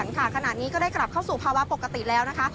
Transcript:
มะขวานรังสรรค่ะขนาดนี้ก็ได้กลับเข้าสู่ภาวะปกติแล้วนะคะ